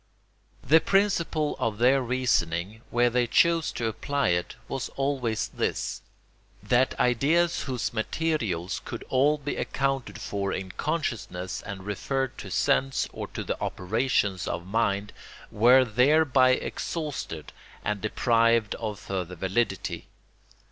The principle of their reasoning, where they chose to apply it, was always this, that ideas whose materials could all be accounted for in consciousness and referred to sense or to the operations of mind were thereby exhausted and deprived of further validity.